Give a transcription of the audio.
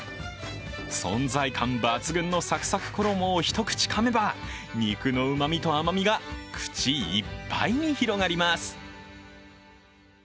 存在感抜群のサクサク衣を１口かめば肉のうまみと甘みが口いっぱいに広がります。